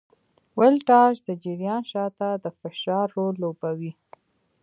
ولتاژ د جریان شاته د فشار رول لوبوي.